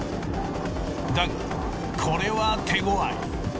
だがこれは手強い。